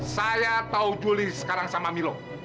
saya tau julie sekarang sama milo